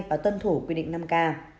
và tuân thủ quy định năm k